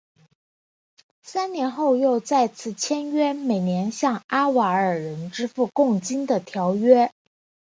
三年后又再次签订每年向阿瓦尔人支付贡金的条约。